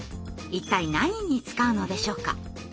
一体何に使うのでしょうか？